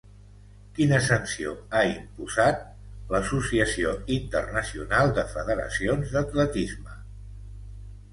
Quina sanció ha imposat l'Associació Internacional de Federacions d'Atletisme?